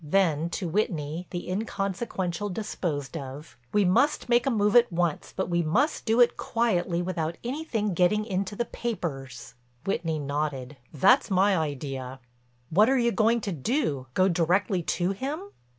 Then to Whitney the inconsequential disposed of, "We must make a move at once, but we must do it quietly without anything getting into the papers." Whitney nodded: "That's my idea." "What are you going to do—go directly to him?"